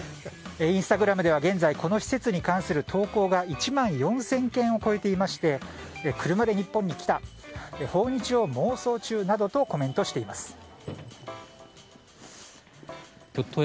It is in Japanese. インスタグラムでは現在この施設に関する投稿が１万４０００件を超えていまして車で日本に来た訪日を妄想中などとコメントしています。